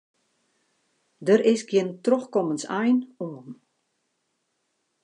Der is gjin trochkommensein oan.